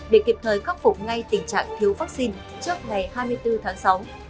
để kịp thời khắc phục ngay tình trạng thiếu vaccine trước ngày hai mươi bốn tháng sáu